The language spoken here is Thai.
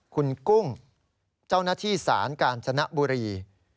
คุณกุ้งเจ้านักที่สารการชนะบุรี